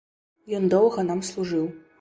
Ён доўга нам служыў.